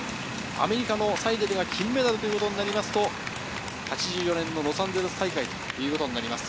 アメリカのサイデルが金メダルとなりますと８４年のロサンゼルス大会以来ということになります。